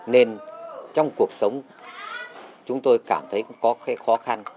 nên trong cuộc sống chúng tôi cảm thấy có khó khăn